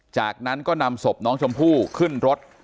จากนั้นก็นำศพน้องชมพู่ขึ้นรถ